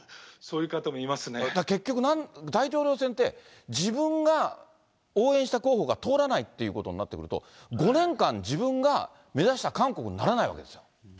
結局、大統領選って、自分が応援した候補が通らないということになってくると、５年間自分が目指した韓国にならないわけです。